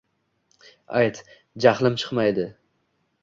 — Ayt, jahlim chiqmaydi.